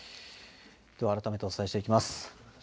では改めてお伝えしていきます。